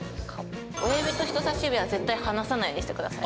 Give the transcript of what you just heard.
親指と人差し指は絶対離さないようにして下さい。